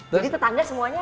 jadi tetangga semuanya